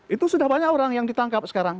itu sudah banyak orang yang ditangkap sekarang